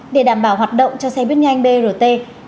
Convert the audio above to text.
để đảm bảo hoạt động cho xe buýt nhanh brt